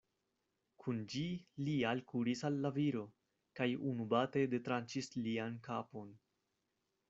Kun ĝi li alkuris al la viro, kaj unubate detranĉis lian kapon.